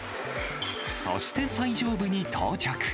そして最上部に到着。